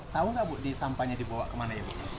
tahu nggak bu di sampahnya dibawa kemana ya bu